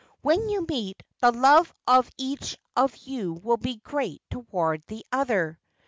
When you meet, the love of each of you will be great toward the other."